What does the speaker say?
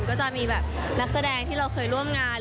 ก็จะมีแบบนักแสดงที่เราเคยร่วมงาน